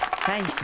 はい。